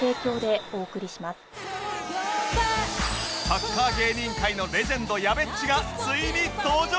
サッカー芸人界のレジェンドやべっちがついに登場！